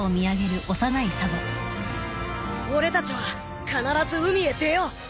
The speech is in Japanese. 俺たちは必ず海へ出よう！